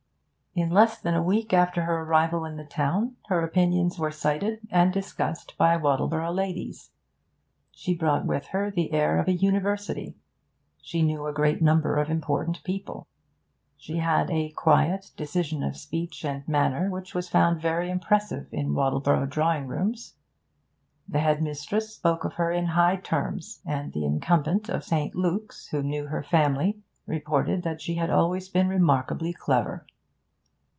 In less than a week after her arrival in the town, her opinions were cited and discussed by Wattleborough ladies. She brought with her the air of a University; she knew a great number of important people; she had a quiet decision of speech and manner which was found very impressive in Wattleborough drawing rooms. The headmistress spoke of her in high terms, and the incumbent of St. Luke's, who knew her family, reported that she had always been remarkably clever.